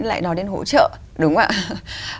lại nói đến hỗ trợ đúng không ạ